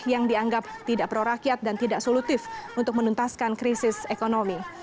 yang dianggap tidak prorakyat dan tidak solutif untuk menuntaskan krisis ekonomi